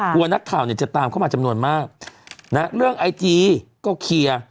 กลัวนักข่าวจะตามเข้ามาจำนวนมากเรื่องไอจีก็เคลียร์